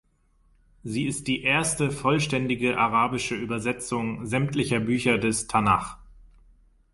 Sie ist die erste vollständige arabische Übersetzung sämtlicher Bücher des Tanach.